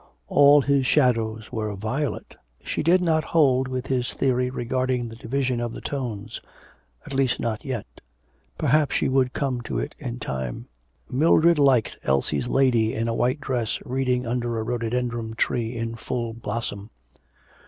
All his shadows were violet. She did not hold with his theory regarding the division of the tones: at least not yet. Perhaps she would come to it in time. Mildred liked Elsie's lady in a white dress reading under a rhododendron tree in full blossom.